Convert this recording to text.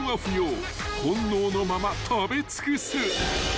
［本能のまま食べ尽くす］